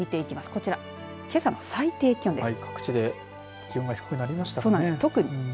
こちらけさの最低気温です。